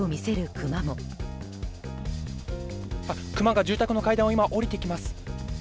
クマが住宅の階段を今下りてきます。